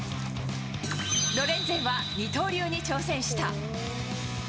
ロレンゼンは二刀流に挑戦した。